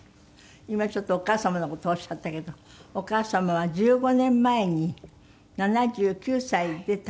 今ちょっとお母様の事おっしゃったけどお母様は１５年前に７９歳で他界なさった？